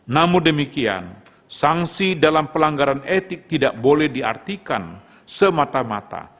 namun demikian sanksi dalam pelanggaran etik tidak boleh diartikan semata mata